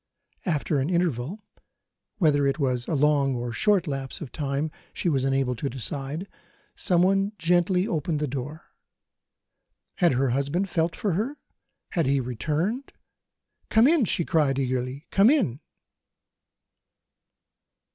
After an interval whether it was a long or a short lapse of time she was unable to decide someone gently opened the door. Had her husband felt for her? Had he returned? "Come in! she cried eagerly " come in!